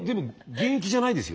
現役ではないです。